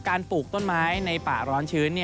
ปลูกต้นไม้ในป่าร้อนชื้น